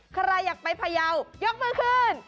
ใครอยากไปพยาวยกมือขึ้น